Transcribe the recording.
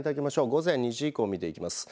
午前２時以降、見ていきます。